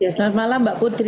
selamat malam mbak putri